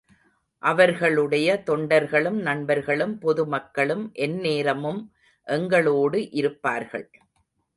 அவர்களுடைய தொண்டர்களும், நண்பர்களும், பொது மக்களும் எந்நேரமும் எங்களோடு இருப்பார்கள்.